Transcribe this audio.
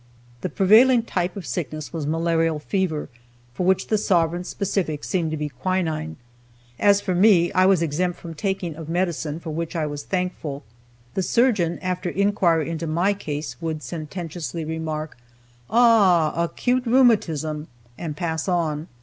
The prevailing type of sickness was malarial fever, for which, the sovereign specific seemed to be quinine. As for me, I was exempt from the taking of medicine, for which I was thankful. The surgeon, after inquiry into my case, would sententiously remark, "Ah! acute rheumatism," and pass on.